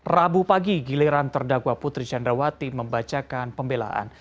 rabu pagi giliran terdakwa putri candrawati membacakan pembelaan